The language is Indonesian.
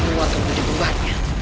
semua terjadi di luar